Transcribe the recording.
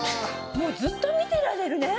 もうずっと見てられるね。